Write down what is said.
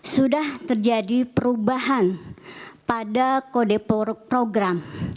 sudah terjadi perubahan pada kode program